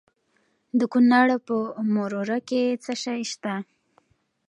د کونړ په مروره کې څه شی شته؟